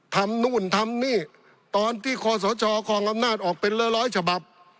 ทำนู่นทำนี่ตอนที่ครสชคกนออเป็นเรื้อร้อยฉบับ